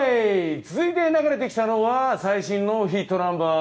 続いて流れてきたのは最新のヒットナンバー。